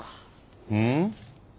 うん？